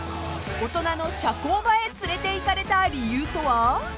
［大人の社交場へ連れていかれた理由とは？］